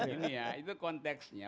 ini ya itu konteksnya